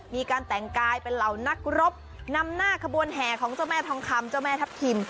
มีการแต่งกายเป็นเหล่านักรบนำหน้าขบวนแห่ของเจ้าแม่ทองคำเจ้าแม่ทัพทิม